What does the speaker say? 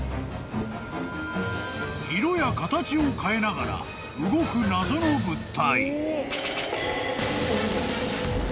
［色や形を変えながら動く謎の物体］